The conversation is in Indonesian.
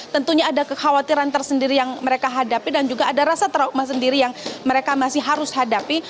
tentunya ada kekhawatiran tersendiri yang mereka hadapi dan juga ada rasa trauma sendiri yang mereka masih harus hadapi